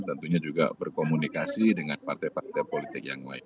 tentunya juga berkomunikasi dengan partai partai politik yang lain